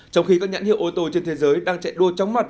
trong khi các nhãn hiệu ô tô trên thế giới đang chạy đua chóng mặt